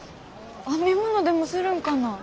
編み物でもするんかな？